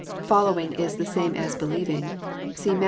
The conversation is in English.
'* Following " is the same as *' be lieving." See Matt.